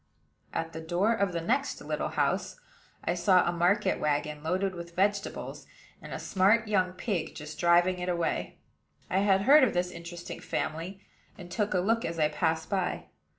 At the door of the next little house, I saw a market wagon loaded with vegetables, and a smart young pig just driving it away. I had heard of this interesting family, and took a look as I passed by.